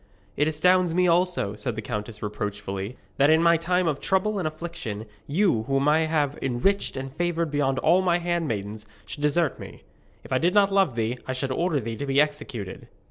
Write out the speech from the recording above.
'It astounds me also,' said the countess reproachfully, 'that in my time of trouble and affliction, you, whom I have enriched and favoured beyond all my handmaidens, should desert me. If I did not love thee, I should order thee to be executed.'